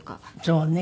そうね。